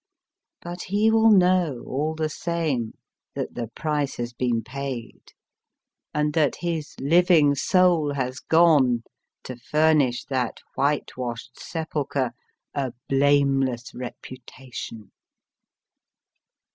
l but he will know all the same that the price has been paid, and that his living Soul has gone, to furnish that whitewashed Sepulchre, a Blameless Reputation.